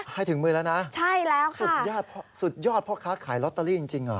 ให้ถึงมือแล้วนะสุดยอดพ่อค้าขายล็อตเตอรี่จริงหรอ